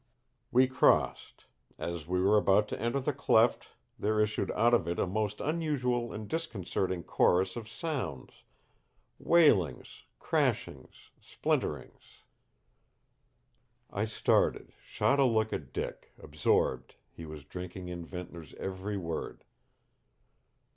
"We crossed. As we were about to enter the cleft there issued out of it a most unusual and disconcerting chorus of sounds wailings, crashings, splinterings." I started, shot a look at Dick; absorbed, he was drinking in Ventnor's every word.